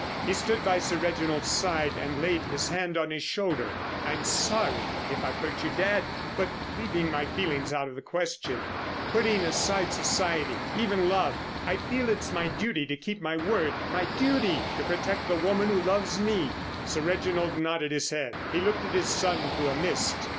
He stood by Sir Reginald's side and laid his hand on his shoulder. "I'm sorry if I've hurt you, dad. But, leaving my feelings out of the question, putting aside society, even love, I feel it's my duty to keep my word, my duty to protect the woman who loves me." Sir Reginald nodded his head. He looked at his son through a mist.